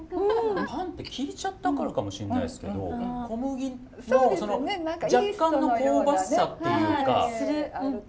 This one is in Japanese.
パンって聞いちゃったからかもしれないですけど小麦の若干の香ばしさっていうか。